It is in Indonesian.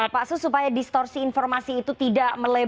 pak sus supaya distorsi informasi itu tidak melebar